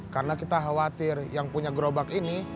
karena kita khawatir yang punya gerobak ini